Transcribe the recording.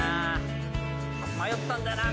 迷ったんだよな